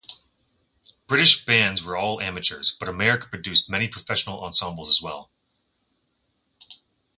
British bands were all amateurs, but America produced many professional ensembles as well.